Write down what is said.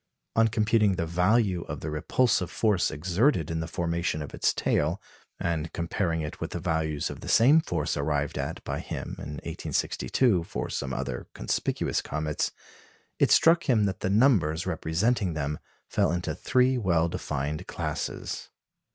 On computing the value of the repulsive force exerted in the formation of its tail, and comparing it with values of the same force arrived at by him in 1862 for some other conspicuous comets, it struck him that the numbers representing them fell into three well defined classes.